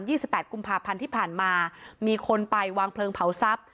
สิบแปดกุมภาพันธ์ที่ผ่านมามีคนไปวางเพลิงเผาทรัพย์